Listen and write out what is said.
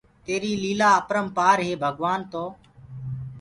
تيري ليلآن آپرمپآر ري هي ڀگوآن تو